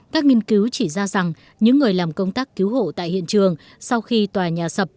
các nghiên cứu chỉ ra rằng những người làm công tác cứu hộ tại hiện trường sau khi tòa nhà sập